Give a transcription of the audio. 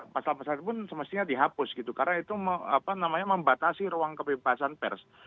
pasal pasal pun semestinya dihapus gitu karena itu membatasi ruang kebebasan pers